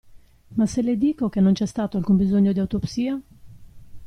Ma se le dico che non c'è stato alcun bisogno di autopsia?